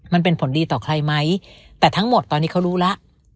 มันเป็นผลดีต่อใครไหมแต่ทั้งหมดตอนนี้เขารู้แล้ว